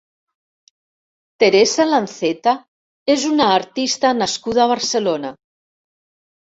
Teresa Lanceta és una artista nascuda a Barcelona.